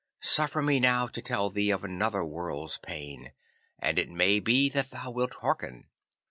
Suffer me now to tell thee of the world's pain, and it may be that thou wilt hearken.